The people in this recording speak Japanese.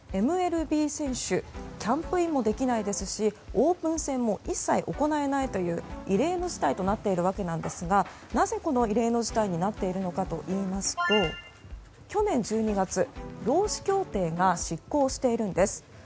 ＭＬＢ選手キャンプインもできないですしオープン戦も一切行えないという異例の事態となっているわけですがなぜ、この異例の事態になっているのかといいますと去年１２月労使協定が失効しているんです。